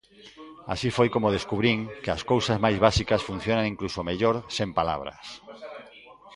Así foi como descubrín que as cousas máis básicas funcionan incluso mellor sen palabras.